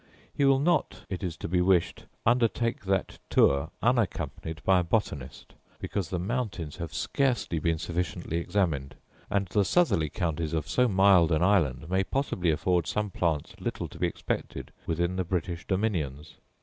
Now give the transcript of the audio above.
He will not, it is to be wished, undertake that tour unaccompanied by a botanist, because the mountains have scarcely been sufficiently examined; and the southerly counties of so mild an island may possibly afford some plants little to be expected within the British dominions.